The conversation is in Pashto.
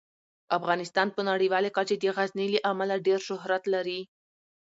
افغانستان په نړیواله کچه د غزني له امله ډیر شهرت لري.